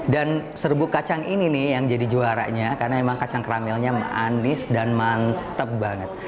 dan serbuk kacang ini nih yang jadi juaranya karena emang kacang karamelnya manis dan mantep banget